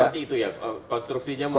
itu seperti itu ya konstruksinya menurut